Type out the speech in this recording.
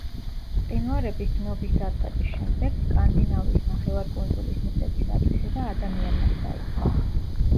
მყინვარების დნობის დაწყების შემდეგ სკანდინავიის ნახევარკუნძულის მიწების ათვისება ადამიანმაც დაიწყო.